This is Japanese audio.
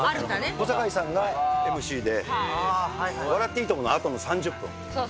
小堺さんがＭＣで、笑っていいとも！のあとの３０分。